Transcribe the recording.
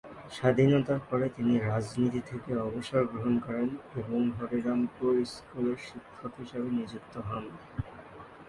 স্বাধীনতার পরে তিনি রাজনীতি থেকে অবসর গ্রহণ করেন এবং হরিরামপুর এর স্কুলের শিক্ষক হিসাবে নিযুক্ত হন।